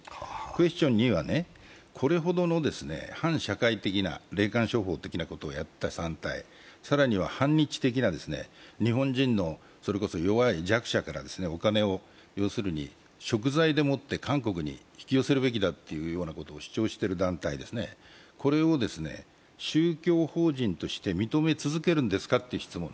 クエスチョン２は、これほどの反社会的、霊感商法的なことをやった団体、更には反日的な日本人の、それこそ弱い弱者からお金をしょく罪でもって韓国に引き寄せるべきだと主張している団体、これを宗教法人として認め続けるんですかという質問。